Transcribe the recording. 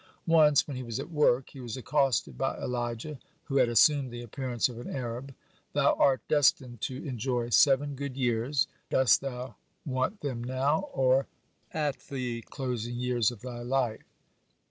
Once, when he was at work, he was accosted by Elijah, who had assumed the appearance of an Arab: "Thou art destined to enjoy seven good years. When dost thou want them now, or as the closing years of thy life?"